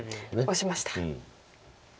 オシました。